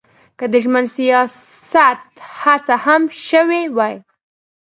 که د ژمن سیاست هڅه هم شوې وي.